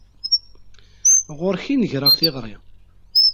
Ɣur-k i n-greɣ tiɣri!